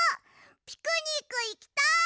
ピクニックいきたい！